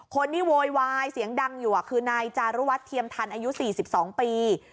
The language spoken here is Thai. โวยวายเสียงดังอยู่คือนายจารุวัฒน์เทียมทันอายุ๔๒ปี